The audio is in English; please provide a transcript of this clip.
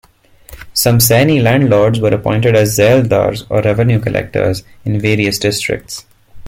Some Saini landlords were also appointed as "zaildars", or revenue-collectors, in various districts.